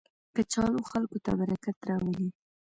کچالو خلکو ته برکت راولي